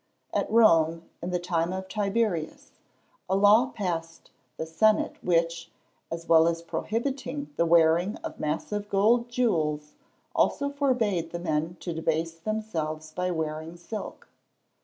At Rome, in the time of Tiberius, a law passed the senate which, as well as prohibiting the wearing of massive gold jewels, also forbade the men to debase themselves by wearing silk.